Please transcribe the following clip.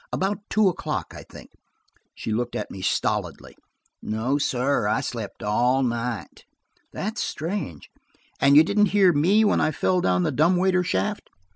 About two o'clock, I think?" She looked at me stolidly. "No, sir, I slept all night." "That's strange. And you didn't hear me when I fell down the dumb waiter shaft?"